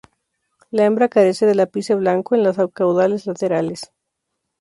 La hembra carece del ápice blanco en las caudales laterales.